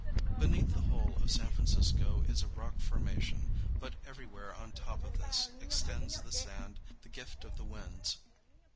Beneath the whole of San Francisco is a rock formation, but everywhere on top of this extends the sand, the gift of the winds.